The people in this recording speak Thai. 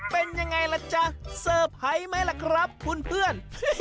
เป็นยังไงล่ะจ๊ะเซอร์ไพรส์ไหมล่ะครับคุณเพื่อน